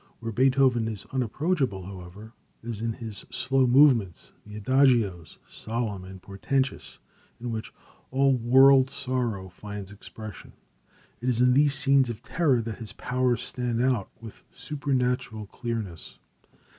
Where Beethoven is unapproachable, however, is in his slow movements, the Adagios, solemn and portentous, in which all of world sorrow finds expression. It is in these scenes of terror that his powers stand out with supernatural clearness.